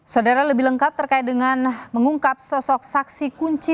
saudara lebih lengkap terkait dengan mengungkap sosok saksi kunci